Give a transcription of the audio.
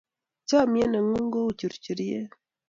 chamiet ng'un ko u churchuriet